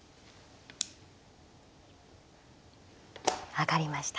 上がりました。